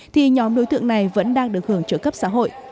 thì nhóm đối tượng này vẫn đang được hưởng trợ cấp xã hội